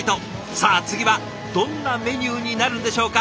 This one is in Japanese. さあ次はどんなメニューになるんでしょうか。